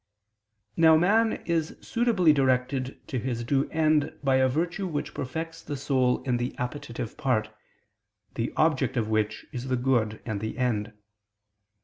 Now man is suitably directed to his due end by a virtue which perfects the soul in the appetitive part, the object of which is the good and the end.